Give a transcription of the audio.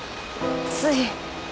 つい。